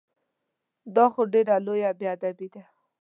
دا خو ډېره لویه بې ادبي ده!